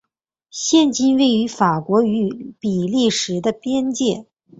现今位于法国与比利时的边界。